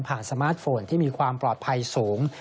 สมาร์ทโฟนที่มีความปลอดภัยสูง